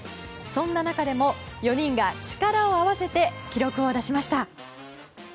そんな中でも４人が力を合わせて記録を出しました。